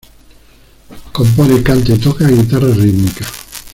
Compone, canta y toca guitarra rítmica.